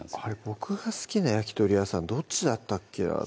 僕が好きな焼き鳥屋さんどっちだったっけな？